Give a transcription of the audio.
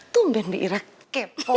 tumben bi irah kepo